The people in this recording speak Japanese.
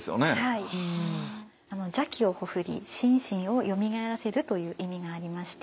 邪気を屠り心身を蘇らせるという意味がありまして。